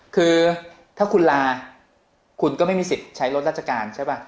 คือถ้าคุณลาคุณก็ไม่มีสิทธิ์ใช้รถราชการใช่ป่ะ